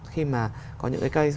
khi mà có những cái case